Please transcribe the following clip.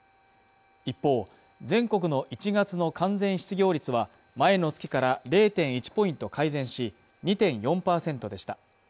一方、全国の１月の完全失業率は前の月から０．１ポイント改善し、２．４％でした。